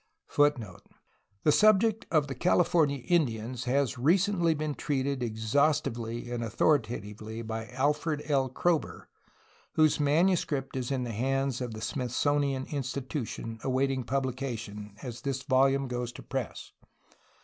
^ ^The subject of the Calif ornian In dians has recently been treated ex haustively and authoritatively by Alfred L. Kroeber, whose manuscript is in the hands of the Smithsonian Institution, awaiting publication, as this volume goes to press.